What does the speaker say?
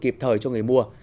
kịp thời cho người mua